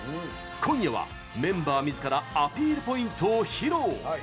今夜はメンバーみずからアピールポイントを披露。